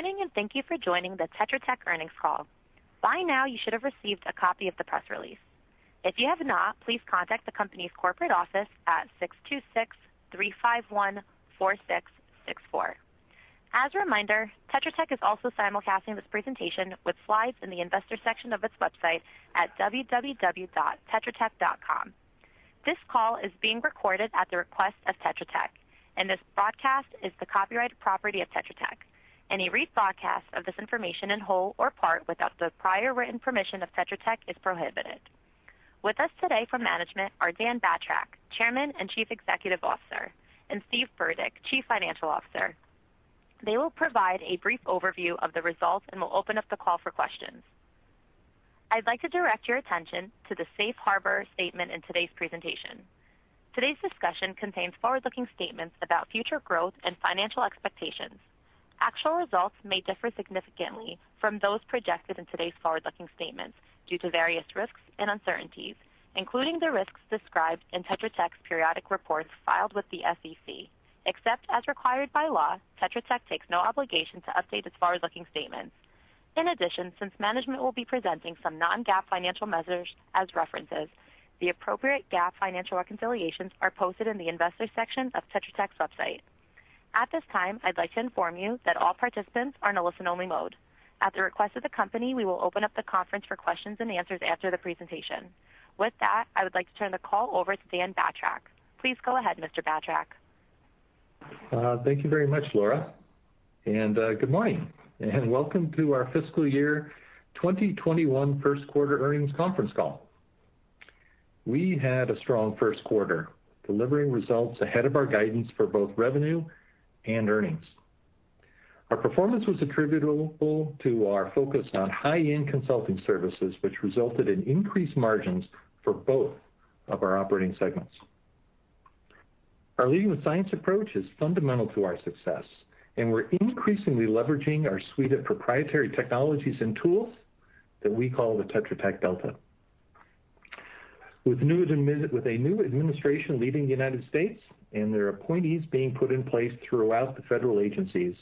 Morning, and thank you for joining the Tetra Tech earnings call. By now you should have received a copy of the press release. If you have not, please contact the company's corporate office at 626-351-4664. As a reminder, Tetra Tech is also simulcasting this presentation with slides in the investor section of its website at www.tetratech.com. This call is being recorded at the request of Tetra Tech, and this broadcast is the copyright property of Tetra Tech. Any rebroadcast of this information in whole or part without the prior written permission of Tetra Tech is prohibited. With us today from management are Dan Batrack, Chairman and Chief Executive Officer, and Steve Burdick, Chief Financial Officer. They will provide a brief overview of the results and will open up the call for questions. I'd like to direct your attention to the safe harbor statement in today's presentation. Today's discussion contains forward-looking statements about future growth and financial expectations. Actual results may differ significantly from those projected in today's forward-looking statements due to various risks and uncertainties, including the risks described in Tetra Tech's periodic reports filed with the SEC. Except as required by law, Tetra Tech takes no obligation to update its forward-looking statements. In addition, since management will be presenting some non-GAAP financial measures as references, the appropriate GAAP financial reconciliations are posted in the investor section of Tetra Tech's website. At this time, I'd like to inform you that all participants are in a listen-only mode. At the request of the company, we will open up the conference for questions and answers after the presentation. With that, I would like to turn the call over to Dan Batrack. Please go ahead, Mr. Batrack. Thank you very much, Laura, and good morning, and welcome to our fiscal year 2021 first quarter earnings conference call. We had a strong first quarter, delivering results ahead of our guidance for both revenue and earnings. Our performance was attributable to our focus on high-end consulting services, which resulted in increased margins for both of our operating segments. Our leading with science approach is fundamental to our success, and we're increasingly leveraging our suite of proprietary technologies and tools that we call the Tetra Tech Delta. With a new administration leading the United States and their appointees being put in place throughout the federal agencies,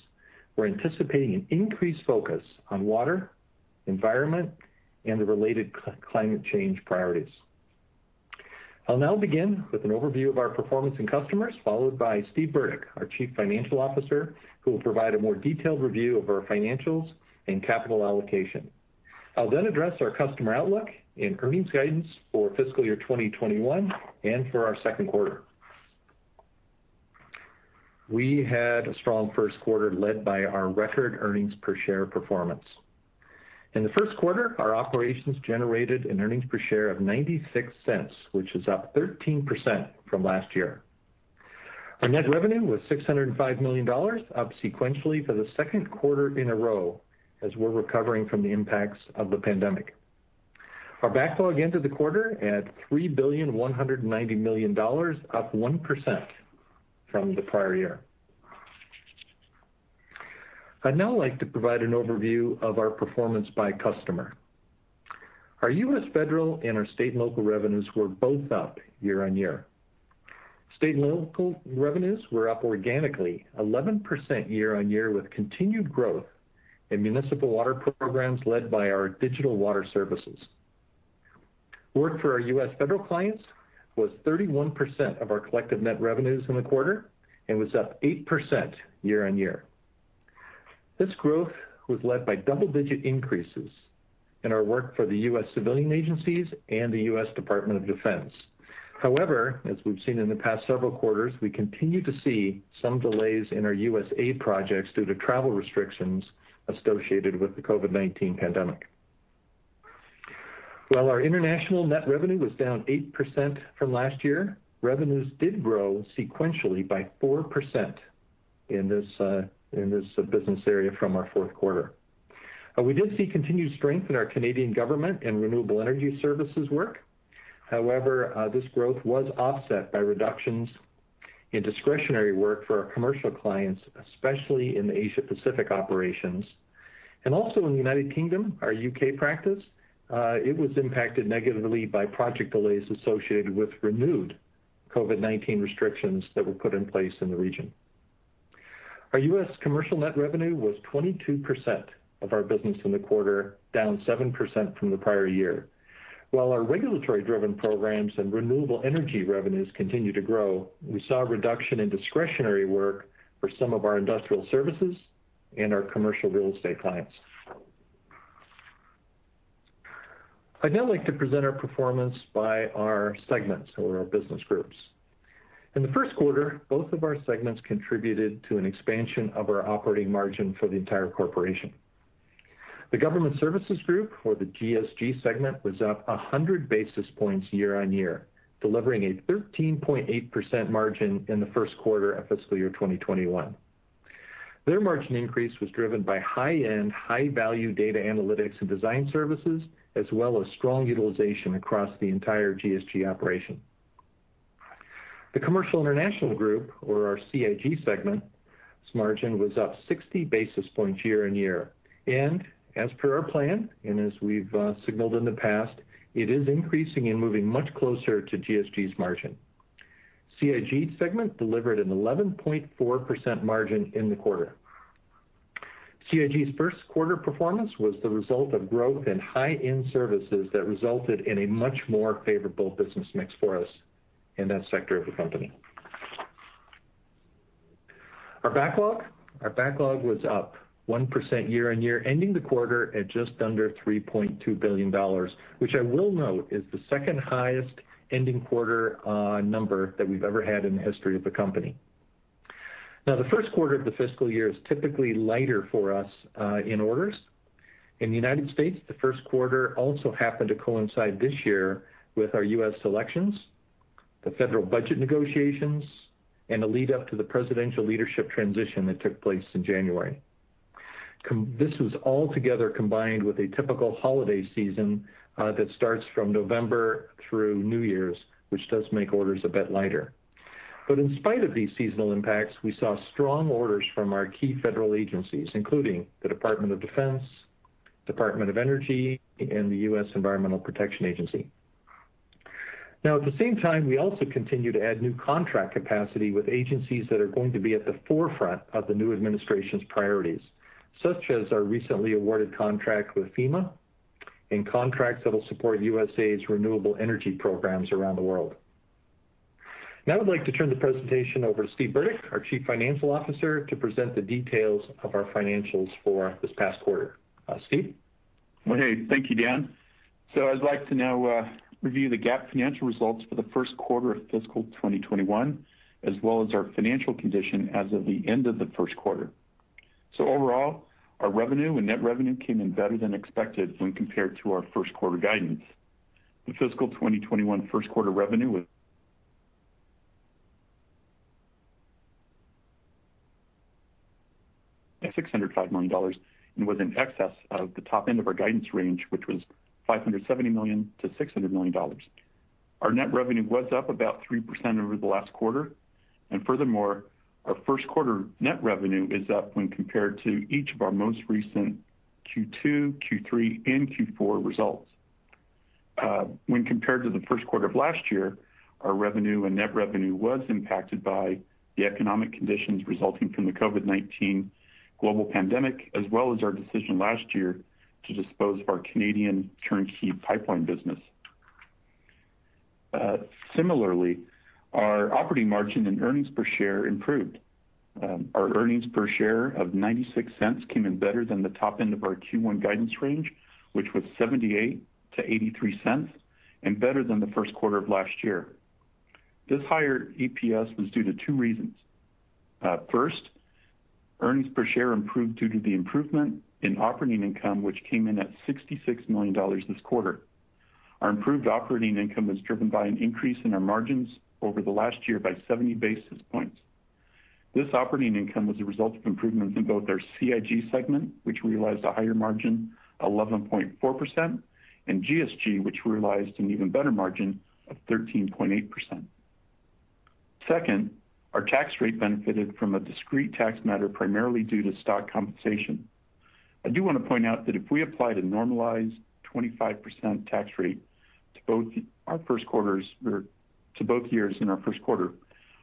we're anticipating an increased focus on water, environment, and the related climate change priorities. I'll now begin with an overview of our performance and customers, followed by Steve Burdick, our Chief Financial Officer, who will provide a more detailed review of our financials and capital allocation. I'll then address our customer outlook and earnings guidance for fiscal year 2021 and for our second quarter. We had a strong first quarter led by our record earnings per share performance. In the first quarter, our operations generated an earnings per share of $0.96, which is up 13% from last year. Our net revenue was $605 million, up sequentially for the second quarter in a row, as we're recovering from the impacts of the pandemic. Our backlog ended the quarter at $3.19 billion, up 1% from the prior year. I'd now like to provide an overview of our performance by customer. Our U.S. federal and our state and local revenues were both up year on year. State and local revenues were up organically 11% year-on-year, with continued growth in municipal water programs led by our digital water services. Work for our U.S. federal clients was 31% of our collective net revenues in the quarter and was up 8% year-on-year. This growth was led by double-digit increases in our work for the U.S. civilian agencies and the U.S. Department of Defense. However, as we've seen in the past several quarters, we continue to see some delays in our USAID projects due to travel restrictions associated with the COVID-19 pandemic. While our international net revenue was down 8% from last year, revenues did grow sequentially by 4% in this business area from our fourth quarter. We did see continued strength in our Canadian government and renewable energy services work. This growth was offset by reductions in discretionary work for our commercial clients, especially in the Asia Pacific operations and also in the United Kingdom, our U.K. practice. It was impacted negatively by project delays associated with renewed COVID-19 restrictions that were put in place in the region. Our U.S. commercial net revenue was 22% of our business in the quarter, down 7% from the prior year. While our regulatory driven programs and renewable energy revenues continue to grow, we saw a reduction in discretionary work for some of our industrial services and our commercial real estate clients. I'd now like to present our performance by our segments or our business groups. In the first quarter, both of our segments contributed to an expansion of our operating margin for the entire corporation. The Government Services Group, or the GSG segment, was up 100 basis points year-on-year, delivering a 13.8% margin in the first quarter of fiscal year 2021. Their margin increase was driven by high-end, high-value data analytics and design services, as well as strong utilization across the entire GSG operation. The Commercial International Group, or our CIG segment's margin, was up 60 basis points year-on-year. As per our plan and as we've signaled in the past, it is increasing and moving much closer to GSG's margin. CIG segment delivered an 11.4% margin in the quarter. CIG's first quarter performance was the result of growth in high-end services that resulted in a much more favorable business mix for us in that sector of the company. Our backlog? Our backlog was up 1% year-on-year, ending the quarter at just under $3.2 billion, which I will note is the second-highest ending quarter number that we've ever had in the history of the company. The first quarter of the fiscal year is typically lighter for us in orders. In the U.S., the first quarter also happened to coincide this year with our U.S. elections, the federal budget negotiations, and the lead-up to the presidential leadership transition that took place in January. This was altogether combined with a typical holiday season that starts from November through New Year's, which does make orders a bit lighter. In spite of these seasonal impacts, we saw strong orders from our key federal agencies, including the Department of Defense, Department of Energy, and the U.S. Environmental Protection Agency. At the same time, we also continue to add new contract capacity with agencies that are going to be at the forefront of the new administration's priorities, such as our recently awarded contract with FEMA and contracts that'll support USAID's renewable energy programs around the world. I would like to turn the presentation over to Steve Burdick, our Chief Financial Officer, to present the details of our financials for this past quarter. Steve? Well, hey. Thank you, Dan. I'd like to now review the GAAP financial results for the first quarter of fiscal 2021, as well as our financial condition as of the end of the first quarter. Overall, our revenue and net revenue came in better than expected when compared to our first quarter guidance. The fiscal 2021 first quarter revenue was at $605 million, and was in excess of the top end of our guidance range, which was $570 million-$600 million. Our net revenue was up about 3% over the last quarter. Furthermore, our first quarter net revenue is up when compared to each of our most recent Q2, Q3, and Q4 results. When compared to the first quarter of last year, our revenue and net revenue was impacted by the economic conditions resulting from the COVID-19 global pandemic, as well as our decision last year to dispose of our Canadian turnkey pipeline business. Similarly, our operating margin and earnings per share improved. Our earnings per share of $0.96 came in better than the top end of our Q1 guidance range, which was $0.78-$0.83, and better than the first quarter of last year. This higher EPS was due to two reasons. First, earnings per share improved due to the improvement in operating income, which came in at $66 million this quarter. Our improved operating income was driven by an increase in our margins over the last year by 70 basis points. This operating income was a result of improvements in both our CIG segment, which realized a higher margin, 11.4%, and GSG, which realized an even better margin of 13.8%. Second, our tax rate benefited from a discrete tax matter, primarily due to stock compensation. I do want to point out that if we applied a normalized 25% tax rate to both years in our first quarter,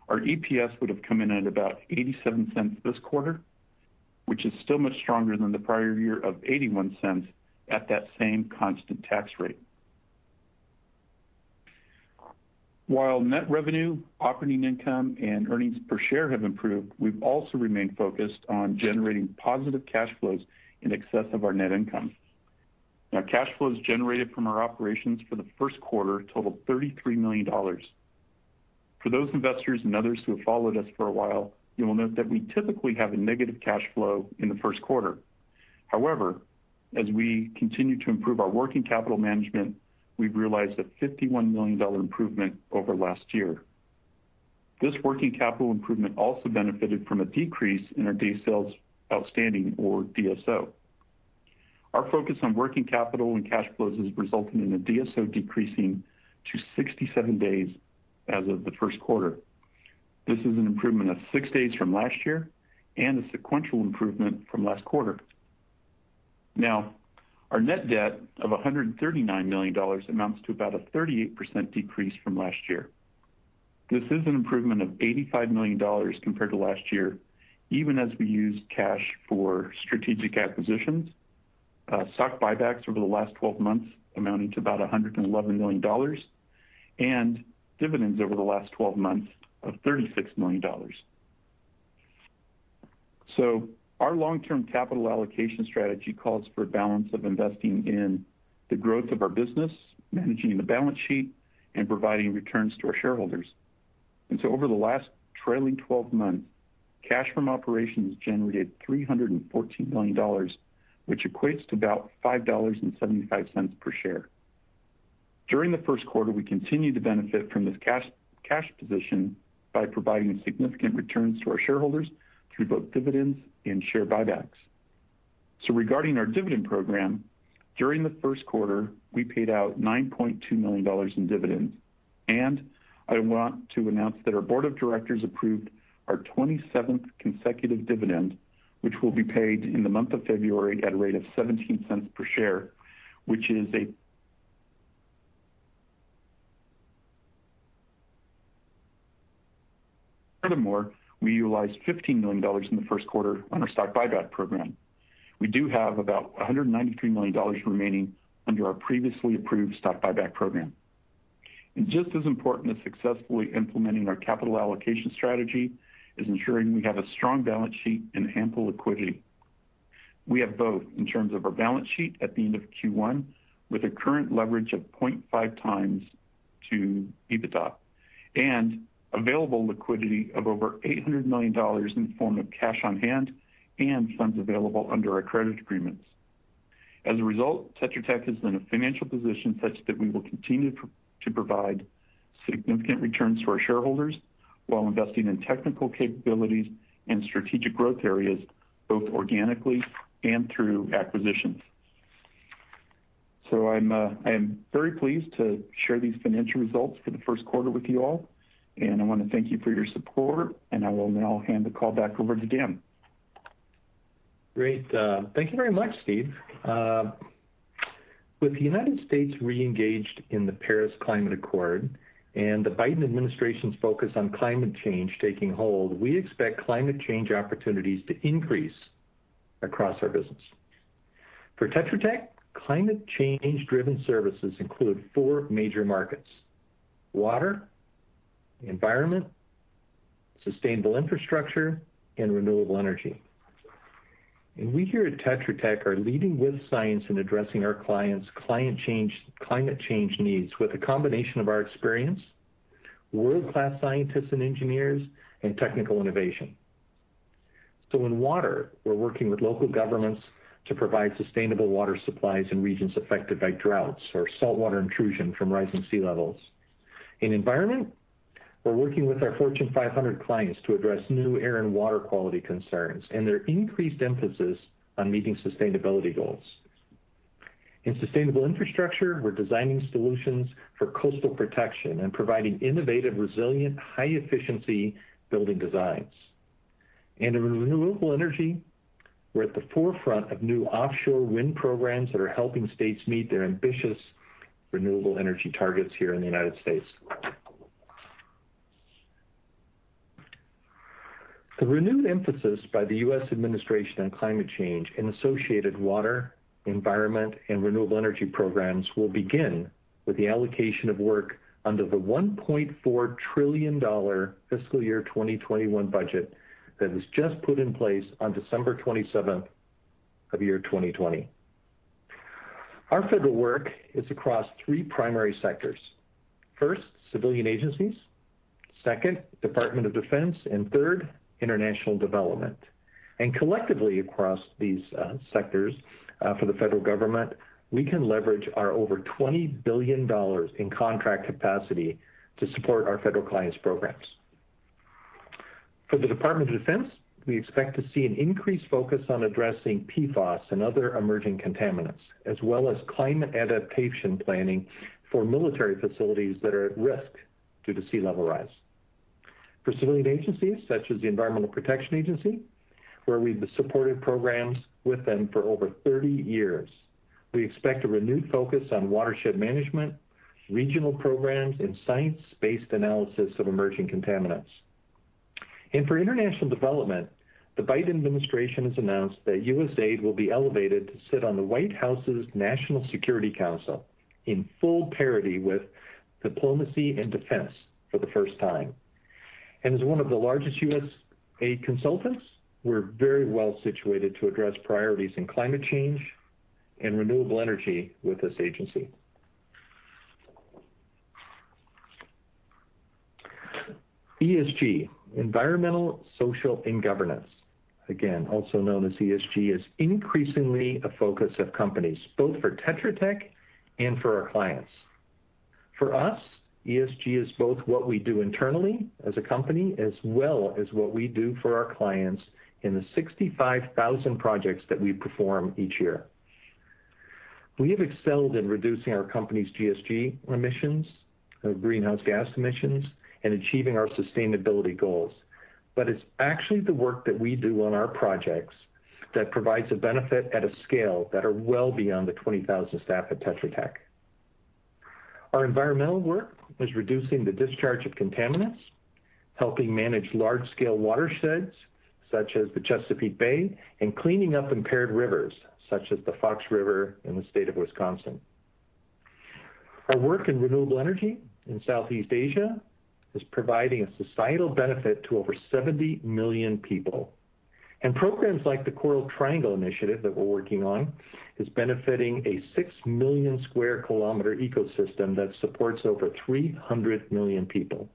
our EPS would've come in at about $0.87 this quarter, which is still much stronger than the prior year of $0.81 at that same constant tax rate. While net revenue, operating income, and earnings per share have improved, we've also remained focused on generating positive cash flows in excess of our net income. Now, cash flows generated from our operations for the first quarter totaled $33 million. For those investors and others who have followed us for a while, you will note that we typically have a negative cash flow in the first quarter. However, as we continue to improve our working capital management, we've realized a $51 million improvement over last year. This working capital improvement also benefited from a decrease in our days sales outstanding or DSO. Our focus on working capital and cash flows has resulted in the DSO decreasing to 67 days as of the first quarter. This is an improvement of six days from last year, and a sequential improvement from last quarter. Our net debt of $139 million amounts to about a 38% decrease from last year. This is an improvement of $85 million compared to last year, even as we used cash for strategic acquisitions, stock buybacks over the last 12 months amounting to about $111 million, dividends over the last 12 months of $36 million. Our long-term capital allocation strategy calls for a balance of investing in the growth of our business, managing the balance sheet, and providing returns to our shareholders. Over the last trailing 12 months, cash from operations generated $314 million, which equates to about $5.75 per share. During the first quarter, we continued to benefit from this cash position by providing significant returns to our shareholders through both dividends and share buybacks. Regarding our dividend program, during the first quarter, we paid out $9.2 million in dividends, and I want to announce that our board of directors approved our 27th consecutive dividend, which will be paid in the month of February at a rate of $0.17 per share. We utilized $15 million in the first quarter on our stock buyback program. We do have about $193 million remaining under our previously approved stock buyback program. Just as important as successfully implementing our capital allocation strategy is ensuring we have a strong balance sheet and ample liquidity. We have both in terms of our balance sheet at the end of Q1, with a current leverage of 0.5x to EBITDA and available liquidity of over $800 million in the form of cash on hand and funds available under our credit agreements. As a result, Tetra Tech is in a financial position such that we will continue to provide significant returns for our shareholders while investing in technical capabilities and strategic growth areas, both organically and through acquisitions. I am very pleased to share these financial results for the first quarter with you all. I want to thank you for your support, and I will now hand the call back over to Dan. Great. Thank you very much, Steve. With the U.S. reengaged in the Paris Agreement and the Biden administration's focus on climate change taking hold, we expect climate change opportunities to increase across our business. For Tetra Tech, climate change-driven services include four major markets: water, environment, sustainable infrastructure, and renewable energy. We here at Tetra Tech are leading with science in addressing our clients' climate change needs with a combination of our experience, world-class scientists and engineers, and technical innovation. In water, we're working with local governments to provide sustainable water supplies in regions affected by droughts or saltwater intrusion from rising sea levels. In environment, we're working with our Fortune 500 clients to address new air and water quality concerns and their increased emphasis on meeting sustainability goals. In sustainable infrastructure, we're designing solutions for coastal protection and providing innovative, resilient, high-efficiency building designs. In renewable energy, we're at the forefront of new offshore wind programs that are helping states meet their ambitious renewable energy targets here in the United States. The renewed emphasis by the U.S. administration on climate change and associated water, environment, and renewable energy programs will begin with the allocation of work under the $1.4 trillion fiscal year 2021 budget that was just put in place on December 27th of 2020. Our federal work is across three primary sectors. First, civilian agencies, second, Department of Defense, and third, international development. Collectively across these sectors for the federal government, we can leverage our over $20 billion in contract capacity to support our federal clients' programs. For the Department of Defense, we expect to see an increased focus on addressing PFAS and other emerging contaminants, as well as climate adaptation planning for military facilities that are at risk due to sea level rise. For civilian agencies such as the Environmental Protection Agency, where we've supported programs with them for over 30 years, we expect a renewed focus on watershed management, regional programs, and science-based analysis of emerging contaminants. For international development, the Biden administration has announced that USAID will be elevated to sit on the White House's National Security Council in full parity with diplomacy and defense for the first time. As one of the largest USAID consultants, we're very well-situated to address priorities in climate change and renewable energy with this agency. ESG, environmental, social, and governance, again, also known as ESG, is increasingly a focus of companies both for Tetra Tech and for our clients. For us, ESG is both what we do internally as a company as well as what we do for our clients in the 65,000 projects that we perform each year. We have excelled in reducing our company's GSG emissions, greenhouse gas emissions, and achieving our sustainability goals. It's actually the work that we do on our projects that provides a benefit at a scale that are well beyond the 20,000 staff at Tetra Tech. Our environmental work is reducing the discharge of contaminants, helping manage large-scale watersheds such as the Chesapeake Bay, and cleaning up impaired rivers such as the Fox River in the state of Wisconsin. Our work in renewable energy in Southeast Asia is providing a societal benefit to over 70 million people. Programs like the Coral Triangle Initiative that we're working on is benefiting a 6 million square kilometer ecosystem that supports over 300 million people.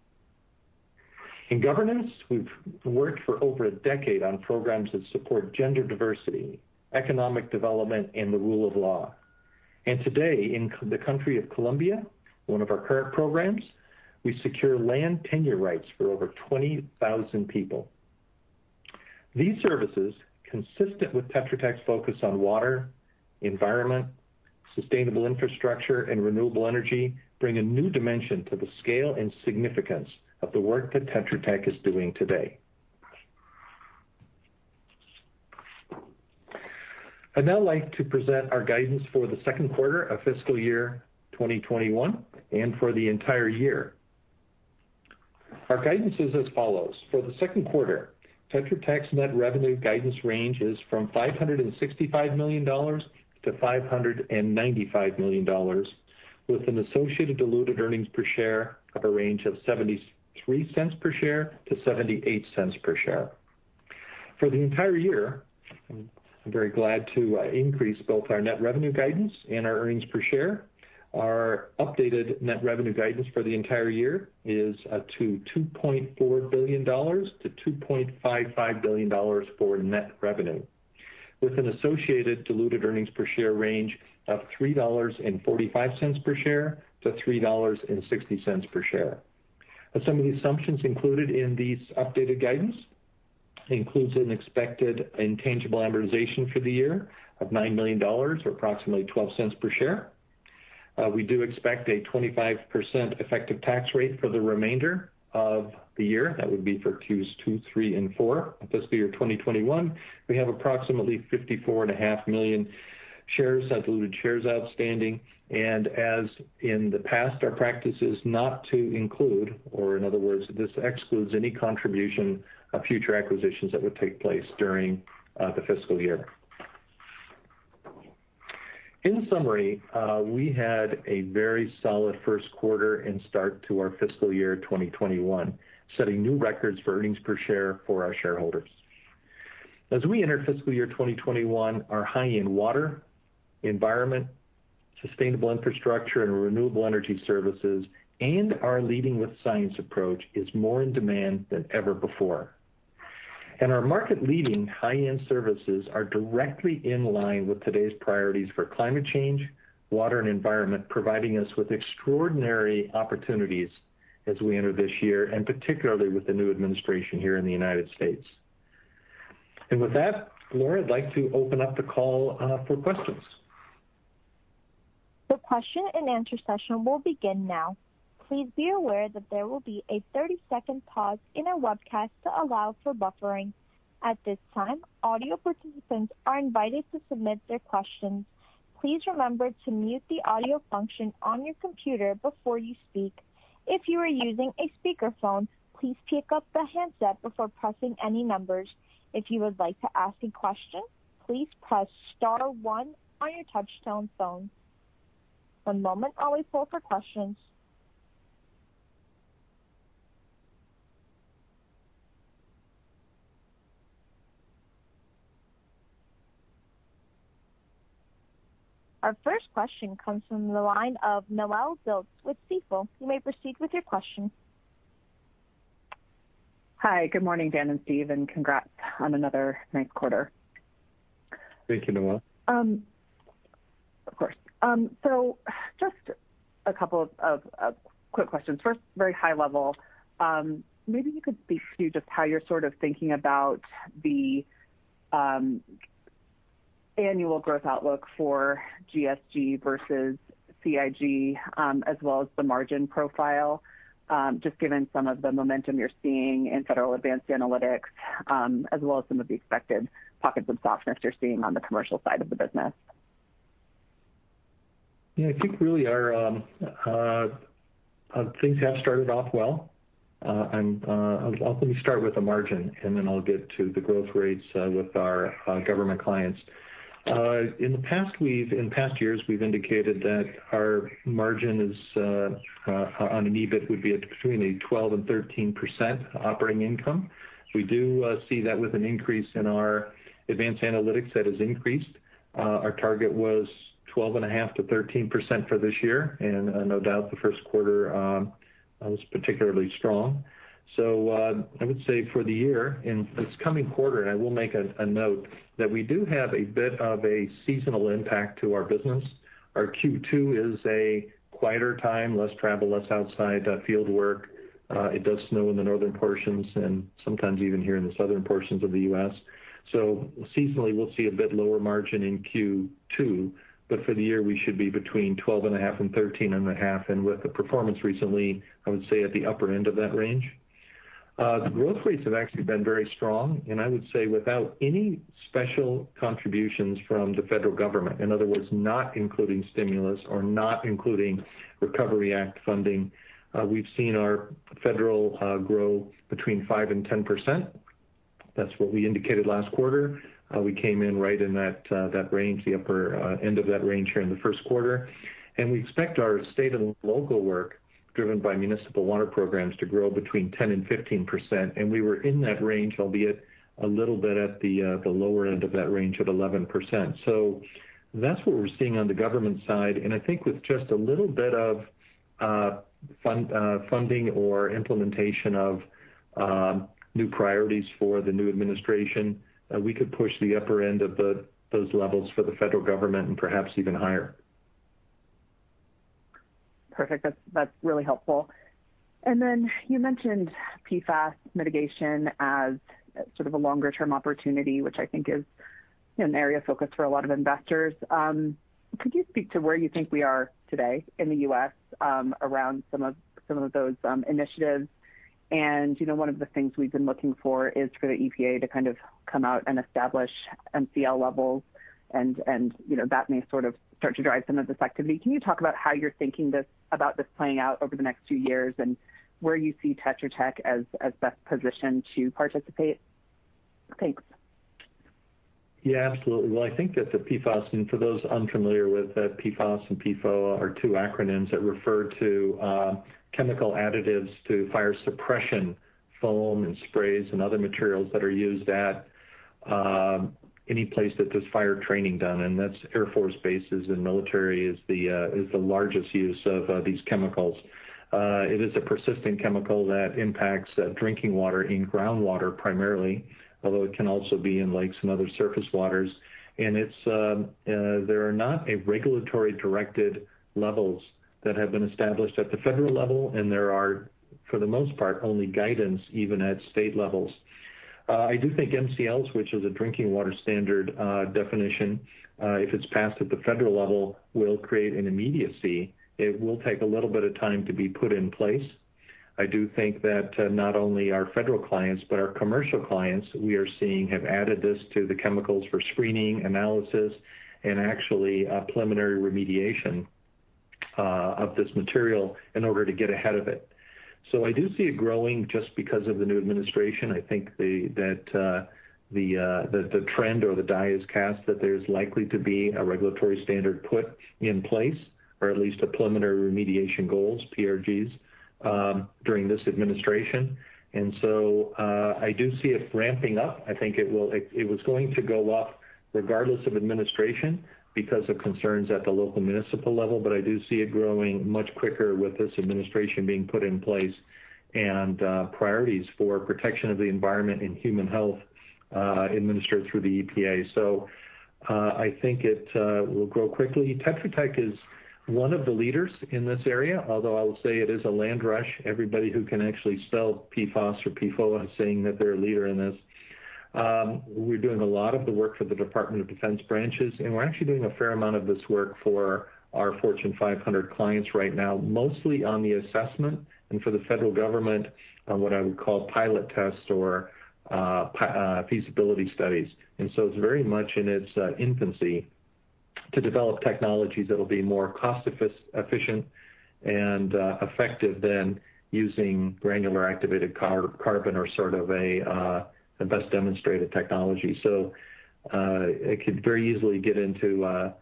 In governance, we've worked for over a decade on programs that support gender diversity, economic development, and the rule of law. Today, in the country of Colombia, one of our current programs, we secure land tenure rights for over 20,000 people. These services, consistent with Tetra Tech's focus on water, environment, sustainable infrastructure, and renewable energy, bring a new dimension to the scale and significance of the work that Tetra Tech is doing today. I'd now like to present our guidance for the second quarter of fiscal year 2021 and for the entire year. Our guidance is as follows. For the second quarter, Tetra Tech's net revenue guidance range is from $565 million-$595 million, with an associated diluted earnings per share of a range of $0.73 per share-$0.78 per share. For the entire year, I'm very glad to increase both our net revenue guidance and our earnings per share. Our updated net revenue guidance for the entire year is to $2.4 billion-$2.55 billion for net revenue with an associated diluted earnings per share range of $3.45 per share-$3.60 per share. Some of the assumptions included in these updated guidance includes an expected intangible amortization for the year of $9 million, or approximately $0.12 per share. We do expect a 25% effective tax rate for the remainder of the year. That would be for Qs 2, 3, and 4 of fiscal year 2021. We have approximately 54.5 million shares, diluted shares, outstanding. As in the past, our practice is not to include, or in other words, this excludes any contribution of future acquisitions that would take place during the fiscal year. In summary, we had a very solid first quarter and start to our fiscal year 2021, setting new records for earnings per share for our shareholders. As we enter fiscal year 2021, our high-end water, environment, sustainable infrastructure, and renewable energy services and our leading with science approach is more in demand than ever before. Our market leading high-end services are directly in line with today's priorities for climate change, water, and environment, providing us with extraordinary opportunities as we enter this year, and particularly with the new administration here in the United States. With that, Laura, I'd like to open up the call for questions. The Q&A session will begin now. Please be aware that there will be a 30-second pause in our webcast to allow for buffering. At this time all the participants are invited to submit their questions. Please remember to unmute the audio function on your computer before you speak. If you're using a speakerphone, please pick up the handset before pressing any numbers. If you'd like to ask a question please press star one on your touch-tone phone. One moment please before the first question. Our first question comes from the line of Noelle Dilts with Stifel. You may proceed with your question. Hi. Good morning, Dan and Steve, and congrats on another nice quarter. Thank you, Noelle. Of course. Just a couple of quick questions. First, very high level, maybe you could speak to just how you're sort of thinking about the annual growth outlook for GSG versus CIG as well as the margin profile, just given some of the momentum you're seeing in federal advanced analytics as well as some of the expected pockets of softness you're seeing on the commercial side of the business. I think really things have started off well. Let me start with the margin, and then I'll get to the growth rates with our government clients. In past years, we've indicated that our margin on an EBIT would be between a 12% and 13% operating income. We do see that with an increase in our advanced analytics, that has increased. Our target was 12.5%-13% for this year, and no doubt the first quarter was particularly strong. I would say for the year, in this coming quarter, and I will make a note that we do have a bit of a seasonal impact to our business. Our Q2 is a quieter time, less travel, less outside field work. It does snow in the northern portions and sometimes even here in the southern portions of the U.S. Seasonally, we'll see a bit lower margin in Q2. For the year, we should be between 12.5% and 13.5%, and with the performance recently, I would say at the upper end of that range. The growth rates have actually been very strong, and I would say without any special contributions from the federal government, in other words, not including stimulus or not including Recovery Act funding, we've seen our federal grow between 5% and 10%. That's what we indicated last quarter. We came in right in that range, the upper end of that range here in the first quarter. We expect our state and local work driven by municipal water programs to grow between 10% and 15%, and we were in that range, albeit a little bit at the lower end of that range at 11%. That's what we're seeing on the government side, and I think with just a little bit of funding or implementation of new priorities for the new administration, we could push the upper end of those levels for the federal government and perhaps even higher. Perfect. That's really helpful. Then you mentioned PFAS mitigation as sort of a longer-term opportunity, which I think is an area of focus for a lot of investors. Could you speak to where you think we are today in the U.S. around some of those initiatives? One of the things we've been looking for is for the EPA to kind of come out and establish MCL levels and that may sort of start to drive some of this activity. Can you talk about how you're thinking about this playing out over the next few years and where you see Tetra Tech as best positioned to participate? Thanks. Yeah, absolutely. Well, I think that the PFAS, and for those unfamiliar with that, PFAS and PFOA are two acronyms that refer to chemical additives to fire suppression foam and sprays and other materials that are used at any place that there's fire training done. That's Air Force bases and military is the largest user of these chemicals. It is a persistent chemical that impacts drinking water in groundwater primarily, although it can also be in lakes and other surface waters. There are not a regulatory-directed levels that have been established at the federal level, and there are, for the most part, only guidance even at state levels. I do think MCLs, which is a drinking water standard definition, if it's passed at the federal level, will create an immediacy. It will take a little bit of time to be put in place. I do think that not only our federal clients, but our commercial clients we are seeing have added this to the chemicals for screening, analysis, and actually preliminary remediation of this material in order to get ahead of it. I do see it growing just because of the new administration. I think that the trend or the die is cast, that there's likely to be a regulatory standard put in place, or at least a Preliminary Remediation Goals, PRGs, during this administration. I do see it ramping up. I think it was going to go up regardless of administration because of concerns at the local municipal level. I do see it growing much quicker with this administration being put in place and priorities for protection of the environment and human health administered through the EPA. I think it will grow quickly. Tetra Tech is one of the leaders in this area, although I will say it is a land rush. Everybody who can actually spell PFAS or PFOA is saying that they're a leader in this. We're doing a lot of the work for the Department of Defense branches, and we're actually doing a fair amount of this work for our Fortune 500 clients right now, mostly on the assessment and for the federal government on what I would call pilot tests or feasibility studies. It's very much in its infancy to develop technologies that'll be more cost efficient and effective than using granular activated carbon or sort of a best demonstrated technology. It could very easily get into a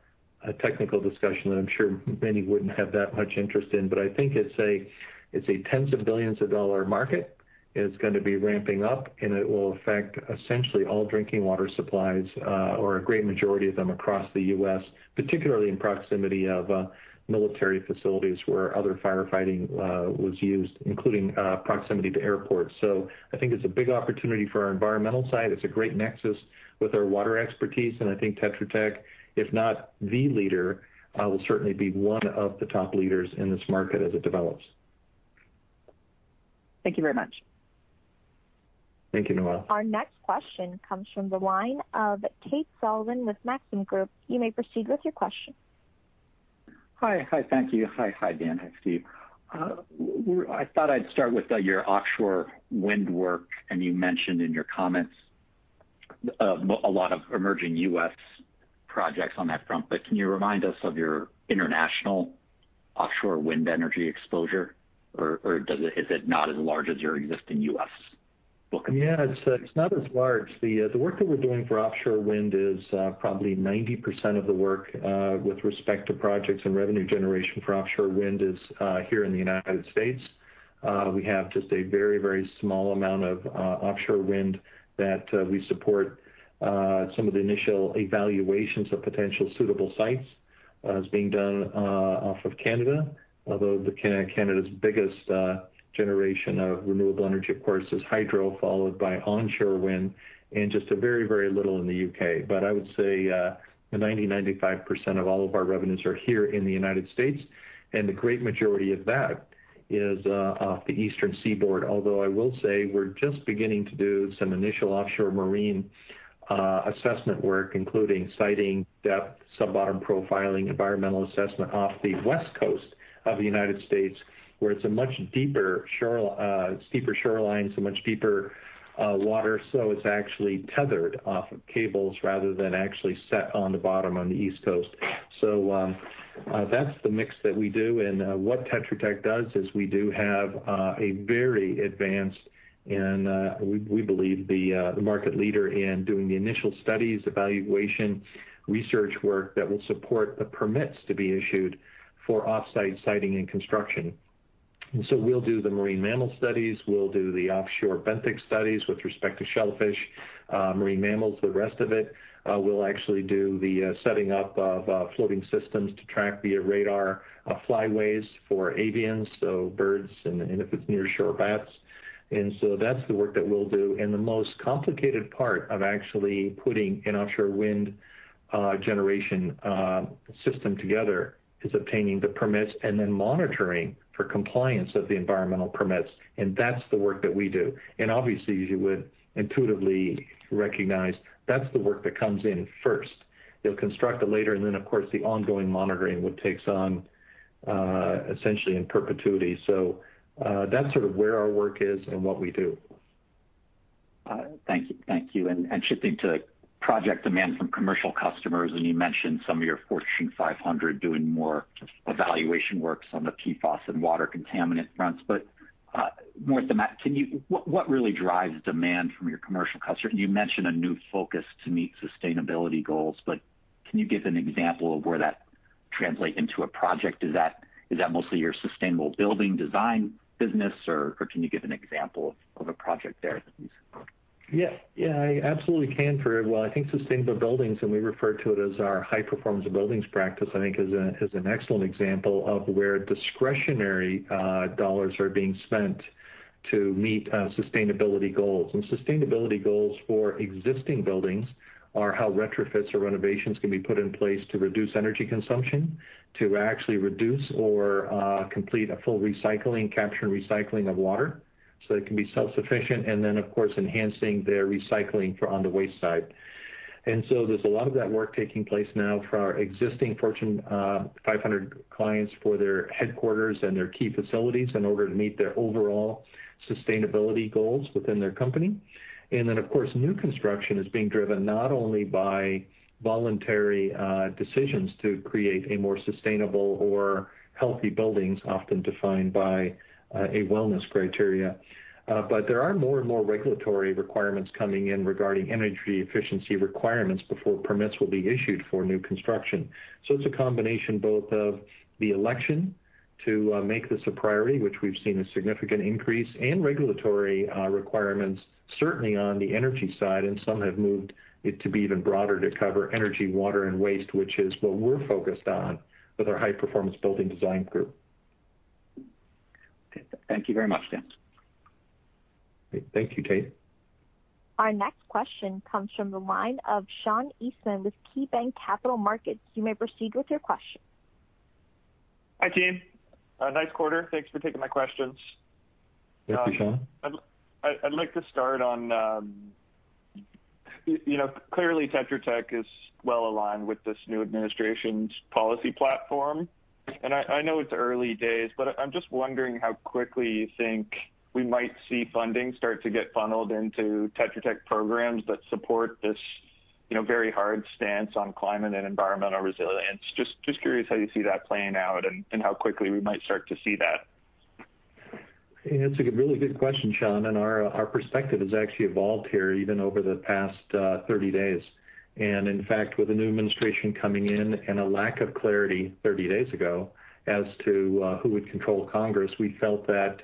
technical discussion that I'm sure many wouldn't have that much interest in. I think it's a tens of billions of dollar market, and it's going to be ramping up and it will affect essentially all drinking water supplies, or a great majority of them across the U.S., particularly in proximity of military facilities where other firefighting was used, including proximity to airports. I think it's a big opportunity for our environmental side. It's a great nexus with our water expertise, and I think Tetra Tech, if not the leader, will certainly be one of the top leaders in this market as it develops. Thank you very much. Thank you, Noelle. Our next question comes from the line of Tate Sullivan with Maxim Group. You may proceed with your question. Hi. Thank you. Hi Dan. Hi Steve. I thought I'd start with your offshore wind work. You mentioned in your comments a lot of emerging U.S. projects on that front. Can you remind us of your international offshore wind energy exposure? Is it not as large as your existing U.S. book? Yeah, it's not as large. The work that we're doing for offshore wind is probably 90% of the work with respect to projects and revenue generation for offshore wind is here in the United States. We have just a very, very small amount of offshore wind that we support. Some of the initial evaluations of potential suitable sites is being done off of Canada, although Canada's biggest generation of renewable energy, of course, is hydro, followed by onshore wind, and just very, very little in the U.K. I would say 90%, 95% of all of our revenues are here in the United States, and the great majority of that is off the eastern seaboard. Although, I will say we're just beginning to do some initial offshore marine assessment work, including siting depth, sub-bottom profiling, environmental assessment off the west coast of the U.S., where it's a much deeper shorelines and much deeper water, so it's actually tethered off of cables rather than actually set on the bottom on the east coast. That's the mix that we do. What Tetra Tech does is we do have a very advanced, and we believe, the market leader in doing the initial studies, evaluation, research work that will support the permits to be issued for off-site siting and construction. We'll do the marine mammal studies, we'll do the offshore benthic studies with respect to shellfish, marine mammals, the rest of it. We'll actually do the setting up of floating systems to track via radar, flyways for avians, so birds, and if it's near shore, bats. That's the work that we'll do. The most complicated part of actually putting an offshore wind generation system together is obtaining the permits and then monitoring for compliance of the environmental permits. That's the work that we do. Obviously, as you would intuitively recognize, that's the work that comes in first. They'll construct it later and then, of course, the ongoing monitoring, which takes on, essentially in perpetuity. That's sort of where our work is and what we do. Thank you. Shifting to project demand from commercial customers, you mentioned some of your Fortune 500 doing more evaluation works on the PFAS and water contaminant fronts. More to that, what really drives demand from your commercial customers? You mentioned a new focus to meet sustainability goals, can you give an example of where that translate into a project? Is that mostly your sustainable building design business, or can you give an example of a project there that you've seen? Yeah, I absolutely can, Tate. I think sustainable buildings, and we refer to it as our high-performance buildings practice, I think is an excellent example of where discretionary dollars are being spent to meet sustainability goals. Sustainability goals for existing buildings are how retrofits or renovations can be put in place to reduce energy consumption, to actually reduce or complete a full capture and recycling of water so they can be self-sufficient, of course, enhancing their recycling for on the waste side. So there's a lot of that work taking place now for our existing Fortune 500 clients for their headquarters and their key facilities in order to meet their overall sustainability goals within their company. Of course, new construction is being driven not only by voluntary decisions to create a more sustainable or healthy buildings, often defined by a wellness criteria. There are more and more regulatory requirements coming in regarding energy efficiency requirements before permits will be issued for new construction. It's a combination both of the election to make this a priority, which we've seen a significant increase, and regulatory requirements, certainly on the energy side, and some have moved it to be even broader to cover energy, water, and waste, which is what we're focused on with our high-performance building design group. Okay. Thank you very much, Dan. Great. Thank you, Tate. Our next question comes from the line of Sean Eastman with KeyBanc Capital Markets. You may proceed with your question. Hi, team. Nice quarter. Thanks for taking my questions. Thank you, Sean. I'd like to start on, clearly Tetra Tech is well-aligned with this new administration's policy platform. I know it's early days, but I'm just wondering how quickly you think we might see funding start to get funneled into Tetra Tech programs that support this very hard stance on climate and environmental resilience. Just curious how you see that playing out and how quickly we might start to see that. It's a really good question, Sean, our perspective has actually evolved here even over the past 30 days. In fact, with a new administration coming in and a lack of clarity 30 days ago as to who would control Congress, we felt that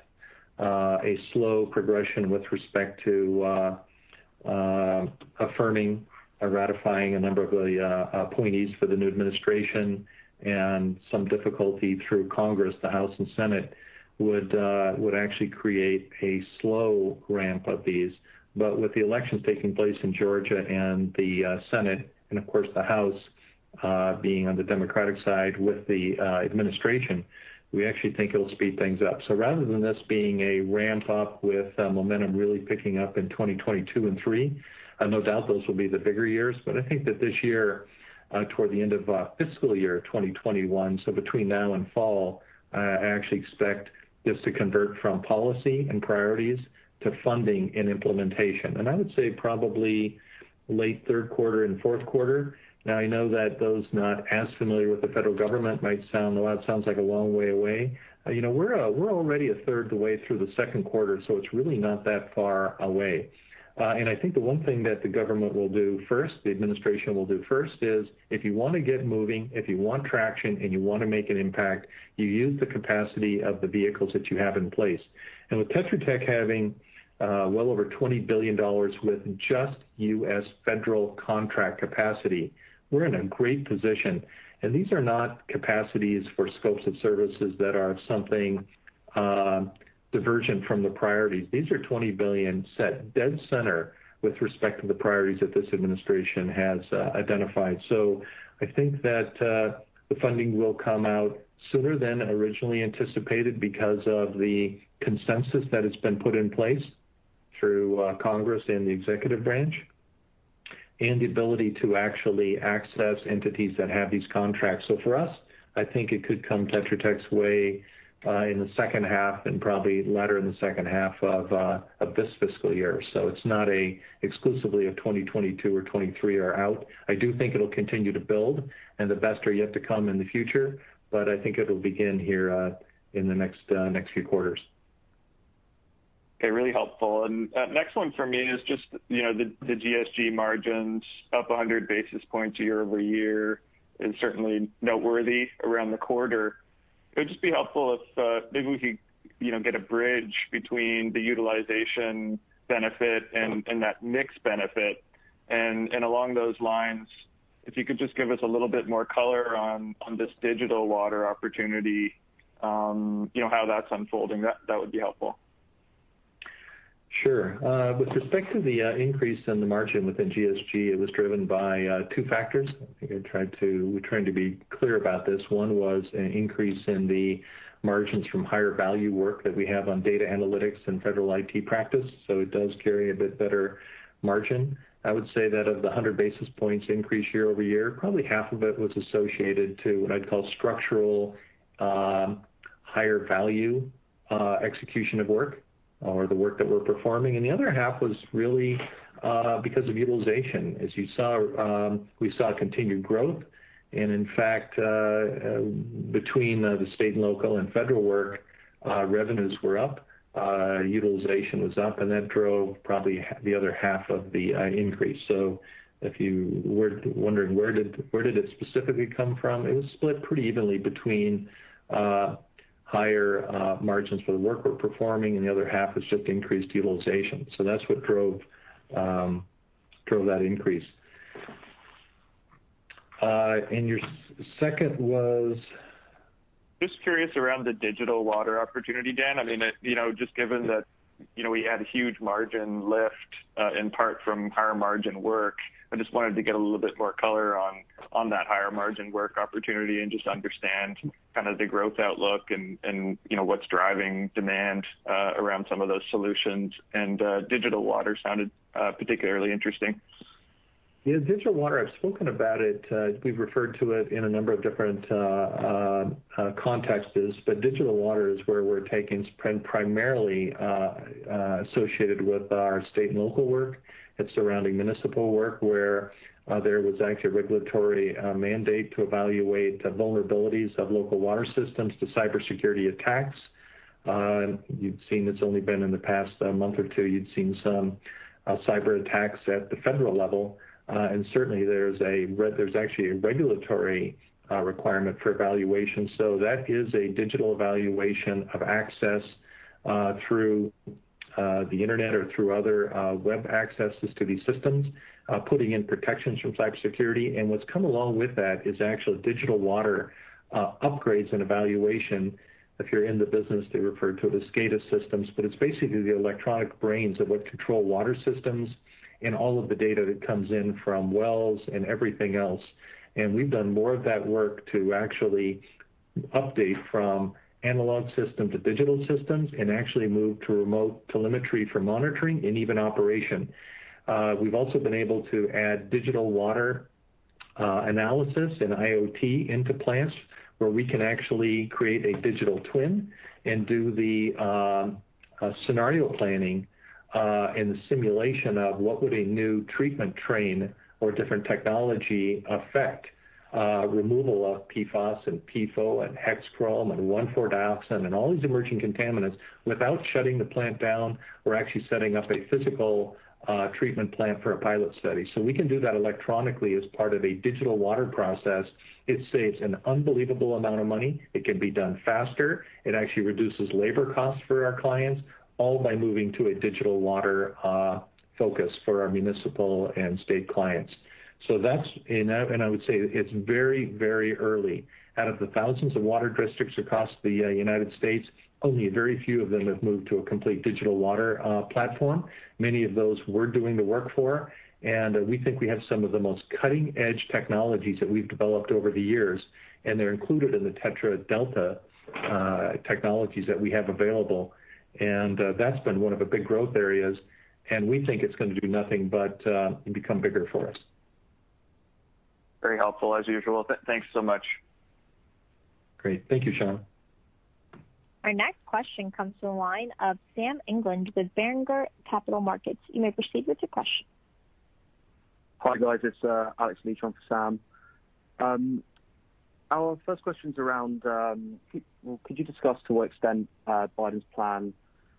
a slow progression with respect to affirming or ratifying a number of the appointees for the new administration and some difficulty through Congress, the House and Senate, would actually create a slow ramp of these. With the elections taking place in Georgia and the Senate, and of course, the House being on the Democratic side with the administration, we actually think it'll speed things up. Rather than this being a ramp up with momentum really picking up in 2022 and 2023, no doubt those will be the bigger years, but I think that this year toward the end of fiscal year 2021, so between now and fall, I actually expect this to convert from policy and priorities to funding and implementation. I would say probably late third quarter and fourth quarter. I know that those not as familiar with the Federal Government, that sounds like a long way away. We're already a third of the way through the second quarter, so it's really not that far away. I think the one thing that the government will do first, the administration will do first is, if you want to get moving, if you want traction, and you want to make an impact, you use the capacity of the vehicles that you have in place. With Tetra Tech having well over $20 billion with just U.S. federal contract capacity, we're in a great position. These are not capacities for scopes of services that are something divergent from the priorities. These are $20 billion set dead center with respect to the priorities that this administration has identified. I think that the funding will come out sooner than originally anticipated because of the consensus that has been put in place through Congress and the executive branch, and the ability to actually access entities that have these contracts. For us, I think it could come Tetra Tech's way in the second half and probably latter in the second half of this fiscal year. It's not a exclusively a 2022 or 2023 or out. I do think it'll continue to build and the best are yet to come in the future, but I think it'll begin here in the next few quarters. Okay, really helpful. Next one for me is just the GSG margins up 100 basis points year-over-year is certainly noteworthy around the quarter. It would just be helpful if maybe we could get a bridge between the utilization benefit and that mix benefit. Along those lines, if you could just give us a little bit more color on this digital water opportunity, how that's unfolding, that would be helpful. Sure. With respect to the increase in the margin within GSG, it was driven by two factors. I think we tried to be clear about this. One was an increase in the margins from higher value work that we have on data analytics and federal IT practice, so it does carry a bit better margin. I would say that of the 100 basis points increase year-over-year, probably half of it was associated to what I'd call structural higher value execution of work or the work that we're performing, and the other half was really because of utilization. As you saw, we saw continued growth, and in fact, between the state and local and federal work, revenues were up, utilization was up, and that drove probably the other half of the increase. If you were wondering where did it specifically come from, it was split pretty evenly between higher margins for the work we're performing, and the other half was just increased utilization. That's what drove that increase. Your second was? Just curious around the digital water opportunity, Dan. Just given that we had a huge margin lift, in part from higher margin work, I just wanted to get a little bit more color on that higher margin work opportunity and just understand kind of the growth outlook and what's driving demand around some of those solutions. Digital water sounded particularly interesting. Yeah, digital water, I've spoken about it, we've referred to it in a number of different contexts, but digital water is where we're taking primarily associated with our state and local work and surrounding municipal work, where there was actually a regulatory mandate to evaluate the vulnerabilities of local water systems to cybersecurity attacks. You've seen it's only been in the past month or two, you'd seen some cyber attacks at the federal level. Certainly, there's actually a regulatory requirement for evaluation. That is a digital evaluation of access through the internet or through other web accesses to these systems, putting in protections from cybersecurity. What's come along with that is actual digital water upgrades and evaluation. If you're in the business, they refer to it as SCADA systems, but it's basically the electronic brains of what control water systems and all of the data that comes in from wells and everything else. We've done more of that work to actually update from analog systems to digital systems and actually move to remote telemetry for monitoring and even operation. We've also been able to add digital water analysis and IoT into plants where we can actually create a digital twin and do the scenario planning and the simulation of what would a new treatment train or different technology affect removal of PFOS and PFOA and hex chrome and 1,4-dioxane and all these emerging contaminants without shutting the plant down or actually setting up a physical treatment plant for a pilot study. We can do that electronically as part of a digital water process. It saves an unbelievable amount of money. It can be done faster. It actually reduces labor costs for our clients, all by moving to a digital water focus for our municipal and state clients. I would say it's very early. Out of the thousands of water districts across the United States, only a very few of them have moved to a complete digital water platform. Many of those we're doing the work for, and we think we have some of the most cutting-edge technologies that we've developed over the years, and they're included in the Tetra Delta technologies that we have available. That's been one of the big growth areas, and we think it's going to do nothing but become bigger for us. Very helpful, as usual. Thanks so much. Great. Thank you, Sean. Our next question comes from the line of Sam England with Berenberg Capital Markets. You may proceed with your question. Hi, guys. It's Alex Leach on for Sam. Our first question's around could you discuss to what extent Biden's plan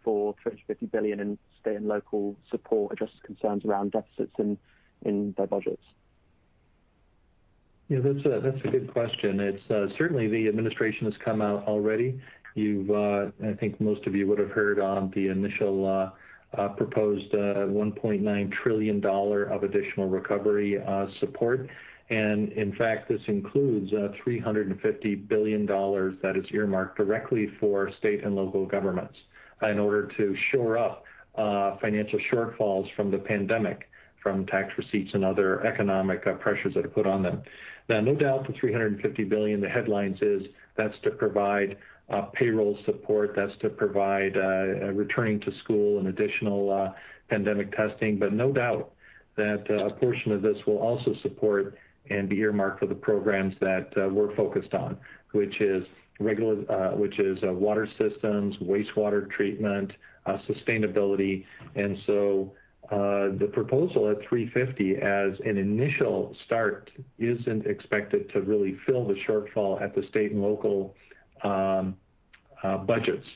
for $350 billion in state and local support addresses concerns around deficits in their budgets? Yeah, that's a good question. Certainly, the Administration has come out already. I think most of you would have heard on the initial proposed $1.9 trillion of additional recovery support, and in fact, this includes $350 billion that is earmarked directly for state and local governments in order to shore up financial shortfalls from the pandemic from tax receipts and other economic pressures that are put on them. Now, no doubt the $350 billion, the headlines is that's to provide payroll support, that's to provide returning to school and additional pandemic testing. No doubt that a portion of this will also support and be earmarked for the programs that we're focused on, which is water systems, wastewater treatment, sustainability. The proposal at $350 billion as an initial start isn't expected to really fill the shortfall at the state and local budgets